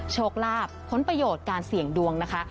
โชคลาภผลประโยชน์การเสี่ยงดวงนะคะ